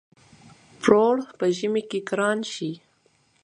پروړ په ژمی کی ګران شی.